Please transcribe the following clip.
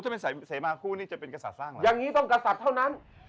เห็นไหมเสมาคู่จะเป็นกษัตริย์สร้างอย่างนี้ต้องกษัตริย์เท่านั้น